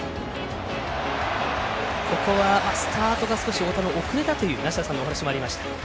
ここはスタートが太田は少し遅れたという梨田さんのお話もありました。